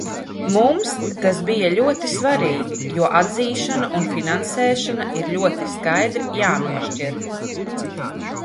Mums tas bija ļoti svarīgi, jo atzīšana un finansēšana ir ļoti skaidri jānošķir.